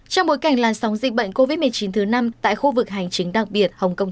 trong bối cảnh làn sóng dịch bệnh covid một mươi chín thứ năm tại khu vực hành chính đặc biệt hồng kông